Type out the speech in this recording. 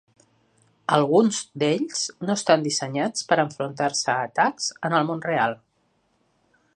Alguns d'ells no estan dissenyats per enfrontar-se a atacs en el món real.